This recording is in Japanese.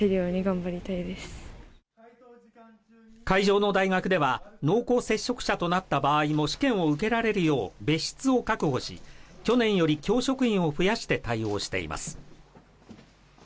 会場の大学では、濃厚接触者となった場合も試験を受けられるよう別室を確保し、去年より教職員を増やして対応しています。